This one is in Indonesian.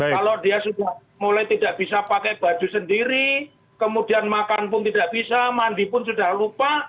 kalau dia sudah mulai tidak bisa pakai baju sendiri kemudian makan pun tidak bisa mandi pun sudah lupa